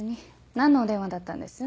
何のお電話だったんです？